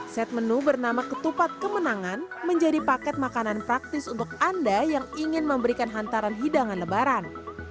set menu bernama ketupat kemenangan menjadi paket makanan praktis untuk anda yang ingin memberikan hantaran hidangan lebaran